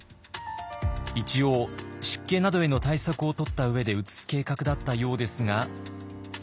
一応湿気などへの対策をとった上で移す計画だったようですが。